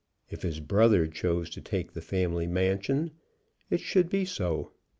If his brother chose to take the family mansion, it should be so.